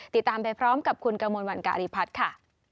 ติดตามไปพร้อมกับคุณกระมวลวันการีพัฒน์ค่ะ